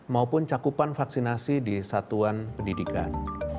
maupun cakupan vaksinasi di satuan pendidikan